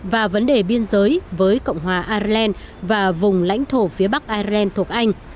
và vấn đề biên giới với cộng hòa ireland và vùng lãnh thổ phía bắc ireland thuộc anh